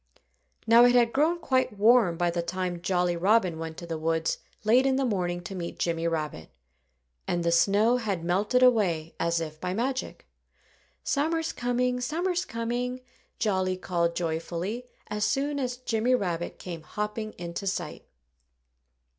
Now, it had grown quite warm by the time Jolly Robin went to the woods late in the morning to meet Jimmy Rabbit. And the snow had melted away as if by magic. "Summer's coming! Summer's coming!" Jolly called joyfully as soon as Jimmy Rabbit came hopping into sight.